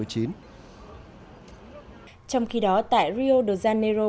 trong khi đó tại rio de janeiro